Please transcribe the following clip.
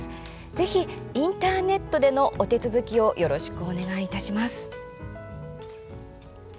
ぜひインターネットでのお手続きをよろしくお願いします。